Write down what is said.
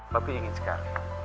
papi ingin sekali